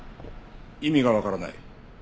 意味がわからない。